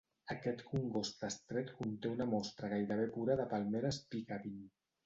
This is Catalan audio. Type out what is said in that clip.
Aquest congost estret conté una mostra gairebé pura de palmeres Piccabeen.